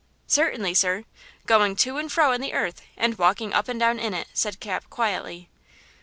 "Certainly, sir: 'going to and fro in the earth and walking up and down in it,'" said Cap, quietly.